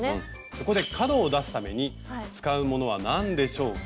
そこで角を出すために使うものは何でしょうか？